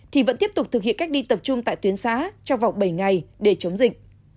thì vẫn tiếp tục thực hiện cách ly tập trung tại tuyến xã trong vòng bảy ngày để chống dịch